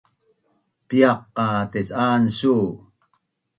Piaq qa tec’an su?